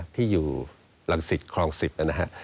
ที่อยู่หลังสิทธิ์ครองสิบนะครับ